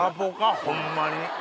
ホンマに。